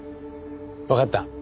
わかった。